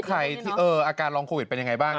อาการรองโควิดเป็นอย่างไรบ้าง